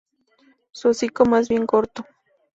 Su hocico más bien corto.